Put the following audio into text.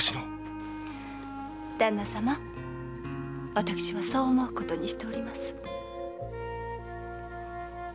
私はそう思うことにしております。